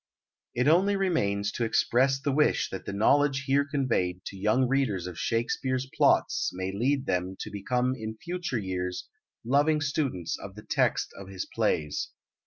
It only remains to express the wish that the knowledge here conveyed to young readers of Shakespeare's plots may lead them to become in future years loving students of the text of his plays.